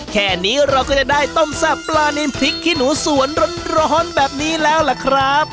แค่นี้เราก็จะได้ต้มแซ่บปลานินพริกขี้หนูสวนร้อนแบบนี้แล้วล่ะครับ